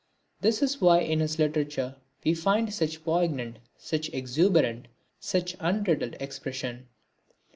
That is why in this literature we find such poignant, such exuberant, such unbridled expression.